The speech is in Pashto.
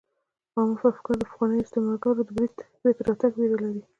عامه افکار د پخوانیو استعمارګرو د بیرته راتګ ویره لري